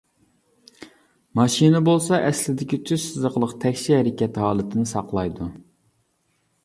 ماشىنا بولسا ئەسلىدىكى تۈز سىزىقلىق تەكشى ھەرىكەت ھالىتىنى ساقلايدۇ.